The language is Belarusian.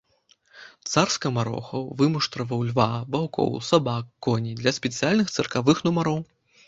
Цар скамарохаў вымуштраваў льва, ваўкоў, сабак, коней для спецыяльных цыркавых нумароў.